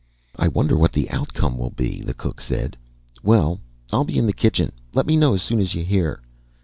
"I wonder what the outcome will be," the cook said. "Well, I'll be in the kitchen. Let me know as soon as you hear."